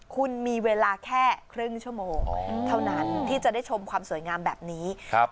คุณมีเวลาแค่ครึ่งชั่วโมงเท่านั้นที่จะได้ชมความสวยงามแบบนี้